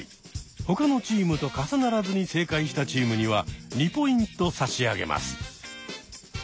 ほかのチームと重ならずに正解したチームには２ポイント差し上げます。